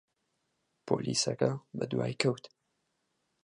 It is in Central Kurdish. پۆلیسەکە بەدوای کەوت.